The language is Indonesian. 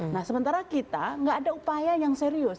nah sementara kita nggak ada upaya yang serius